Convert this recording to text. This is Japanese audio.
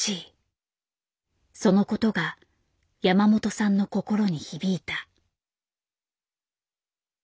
そのことが山本さんの心に響いた。